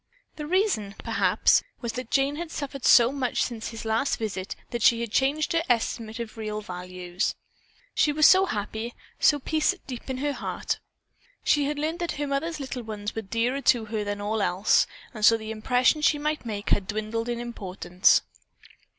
The reason, perhaps, was that Jane had suffered so much since his last visit that she had changed her estimate of real values. She was so happy, so at peace deep in her heart. She had learned that her mother's little ones were dearer to her than all else, and so the impression she might make had dwindled in importance.